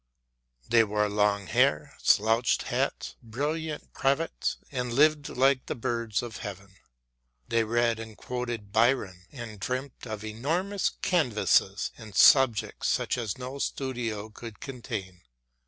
They wore long hair, slouched hats, brilliant cravats, and lived like the birds of heaven. They read and quoted Byron and dreamt of enormous canvases and subjects such as no studio could contain.